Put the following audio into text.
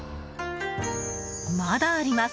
まだあります。